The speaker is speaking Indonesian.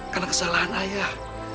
karena kesalahan ayah